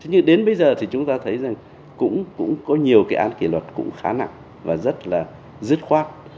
nhưng đến bây giờ thì chúng ta thấy rằng cũng có nhiều cái án kỷ luật cũng khá nặng và rất là dứt khoát